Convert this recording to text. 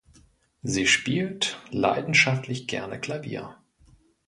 Sie spielt leidenschaftlich gerne Klavier.